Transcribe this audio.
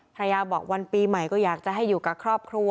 ภรรยาบอกวันปีใหม่ก็อยากจะให้อยู่กับครอบครัว